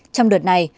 trong đợt này